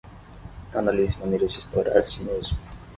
Analise maneiras de explorar a si mesmo